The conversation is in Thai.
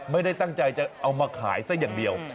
ไม่ได้ตั้งใจจะเอามาขายซะอย่างเดียว